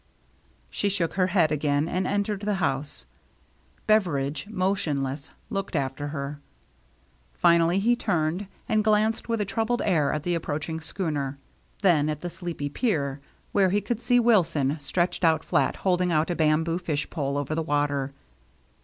She shook her head again, and entered the house. Beveridge, motionless, looked after her. Finally he turned, and glanced with a troubled air at the approaching schooner, then at the sleepy pier, where he could see Wilson stretched out flat holding out a bamboo fish DRAWING TOGETHER i8i pole over the water.